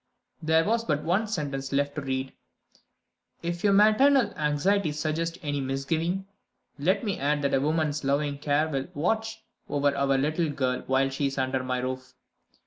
There was but one sentence left to read: "If your maternal anxiety suggests any misgiving, let me add that a woman's loving care will watch over our little girl while she is under my roof.